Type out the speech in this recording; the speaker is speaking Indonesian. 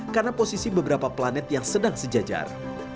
karena posisi beberapa planet yang sedang sejajar